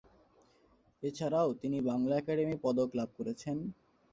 এছাড়াও তিনি বাংলা একাডেমি পদক লাভ করেছেন।